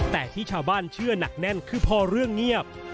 แต่ที่ชาวบ้านเชื่อหนักแน่นคือพอเรื่องเงียบ